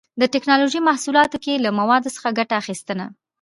د ټېکنالوجۍ محصولاتو کې له موادو څخه ګټه اخیستنه